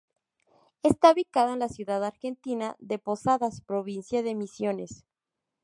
Está ubicado en la ciudad argentina de Posadas, Provincia de Misiones.